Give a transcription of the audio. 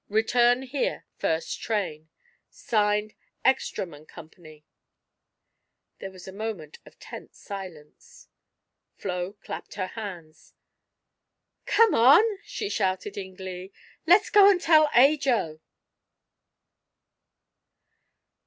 Return here first train.' "Signed: 'Eckstrom & Co.'" There was a moment of tense silence. Flo clapped her hands. "Come on," she shouted in glee, "let's go and tell Ajo!"